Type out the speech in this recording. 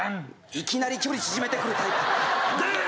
いきなり距離縮めてくるタイプデート！